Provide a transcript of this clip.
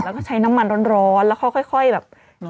แล้วก็ใช้น้ำมันร้อนแล้วค่อยแบบ